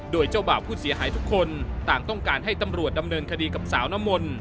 โดยเจ้าบ่าวผู้เสียหายทุกคนต่างต้องการให้ตำรวจดำเนินคดีกับสาวน้ำมนต์